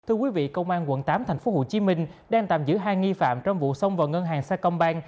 thưa quý vị công an quận tám tp hcm đang tạm giữ hai nghi phạm trong vụ xông vào ngân hàng xa công bang